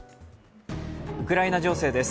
ウクライナ情勢です。